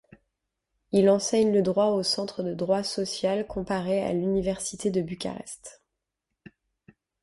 Il enseigne le droit au centre de droit social comparé à l'Université de Bucarest.